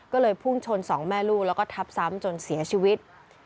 ก็เลยพุ่งชนสองแม่ลูกแล้วก็ทับซ้ำจนเสียชีวิต